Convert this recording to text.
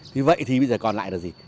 thì vậy thì bây giờ còn lại là gì